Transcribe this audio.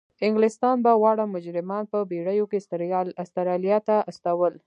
انګلستان به واړه مجرمان په بیړیو کې استرالیا ته استول.